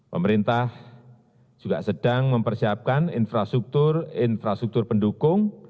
pemerintah juga sedang mempersiapkan infrastruktur infrastruktur pendukung